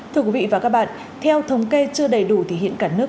thưa quý vị và các bạn theo thống kê chưa đầy đủ thì hiện cả nước